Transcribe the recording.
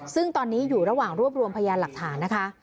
ซึ่งตอนนี้อยู่ระหว่างรวบรวมพยานหลักฐานนะคะ